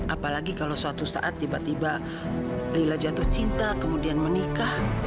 apalagi kalau suatu saat tiba tiba lila jatuh cinta kemudian menikah